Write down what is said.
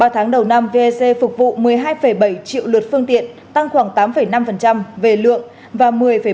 ba tháng đầu năm vec phục vụ một mươi hai bảy triệu lượt phương tiện tăng khoảng tám năm về lượng và một mươi ba